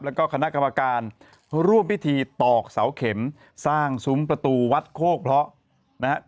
แล้วก็คณะกรรมการร่วมพิธีตอกเสาเข็มสร้างซุ้มประตูวัดโคกเพราะนะครับ